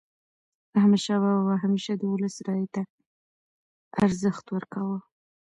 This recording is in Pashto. احمدشاه بابا به همیشه د ولس رایې ته ارزښت ورکاوه.